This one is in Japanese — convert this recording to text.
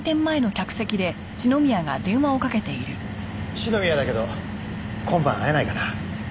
四宮だけど今晩会えないかな？